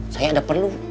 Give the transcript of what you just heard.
saya ada perlu